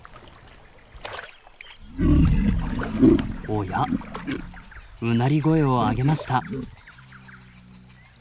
おやうなり声を上げました。